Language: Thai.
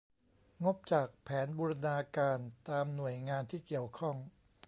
งบจากแผนบูรณาการ ตามหน่วยงานที่เกี่ยวข้อง